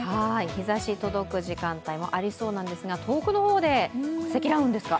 日ざしが届く時間帯もありそうなんですが、遠くの方で積乱雲ですか。